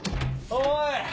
おい！